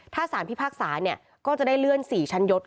ถ้าสารพิพากษาก็จะได้เลื่อน๔ชั้นยศ